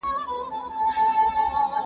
زه به سبا ته فکر وکړم!.